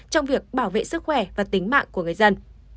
trong việc bảo vệ sức khỏe và tính mạng của người dân